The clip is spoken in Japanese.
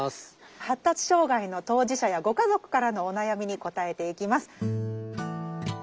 発達障害の当事者やご家族からのお悩みに答えていきます。